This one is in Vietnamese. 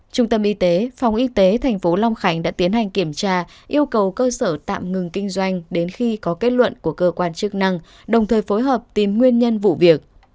trung tâm y tế phòng y tế tp long khánh đã tiến hành kiểm tra yêu cầu cơ sở tạm ngừng kinh doanh đến khi có kết luận của cơ quan chức năng đồng thời phối hợp tìm nguyên nhân vụ việc